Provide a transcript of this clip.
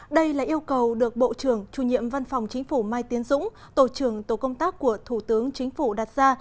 đây là yêu cầu được bộ trưởng chủ nhiệm văn phòng chính phủ mai tiến dũng tổ trưởng tổ công tác của thủ tướng chính phủ đặt ra